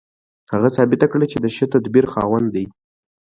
هغه ثابته کړه چې د ښه تدبیر خاوند دی